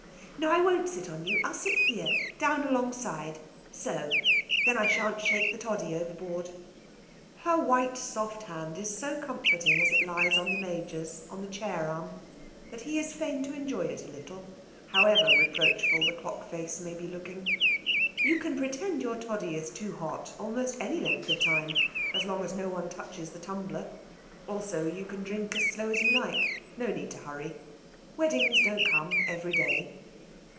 No, I won't sit on you. I'll sit here; down alongside so! Then I shan't shake the toddy overboard." Her white soft hand is so comforting as it lies on the Major's on the chair arm that he is fain to enjoy it a little, however reproachful the clock face may be looking. You can pretend your toddy is too hot, almost any length of time, as long as no one else touches the tumbler; also you can drink as slow as you like. No need to hurry. Weddings don't come every day.